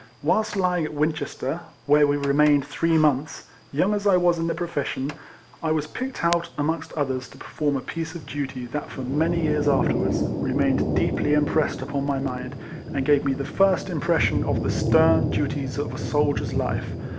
Whilst lying at Winches ter (where we remained three months), young as I was in the profession,! was picked out, amongst others, to perform a piece of duty that, for many years afterwards, re mained deeply impressed upon my mind, and gave me the first impression of the stern duties of a soldier's life.